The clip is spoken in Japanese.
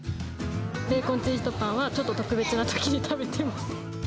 ベーコンツイストパンは、ちょっと特別なときに食べています。